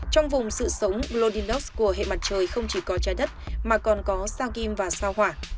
trong vùng sự sống lodinos của hệ mặt trời không chỉ có trái đất mà còn có sa kim và sao hỏa